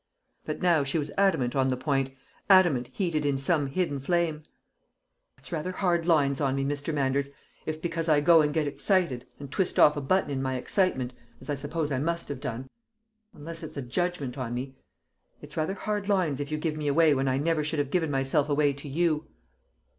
But now she was adamant on the point, adamant heated in some hidden flame. "It's rather hard lines on me, Mr. Manders, if because I go and get excited, and twist off a button in my excitement, as I suppose I must have done unless it's a judgment on me it's rather hard lines if you give me away when I never should have given myself away to you!"